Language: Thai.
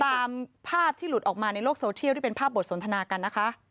ตามภาพที่หลุดออกมาในโลกโซเทียลที่เป็นภาพบทสนทนากันนะคะ